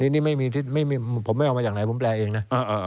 นี่ผมไม่เอามาจากไหนผมแปลเองนะ